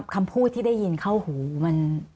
คำพูดที่ได้ยินเข้าหูมัน